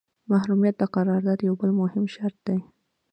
محرمیت د قرارداد یو بل مهم شرط دی.